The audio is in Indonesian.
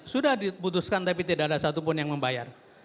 sudah diputuskan tapi tidak ada satu pun yang membayar